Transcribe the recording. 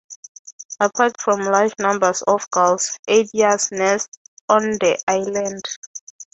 Apart from the large numbers of gulls, eiders nest on the island.